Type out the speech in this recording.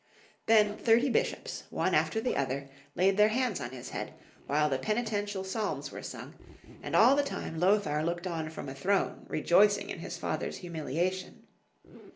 Then thirty bishops, one 76 Young Folks* History of Crermany. after the other, laid their hands on his head, while the penitential psalms were sung, and all the time Lothar looked on from a throne rejoicing in his father's humiliation.